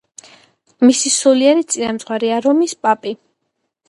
მისი სულიერი წინამძღვარია რომის პაპი.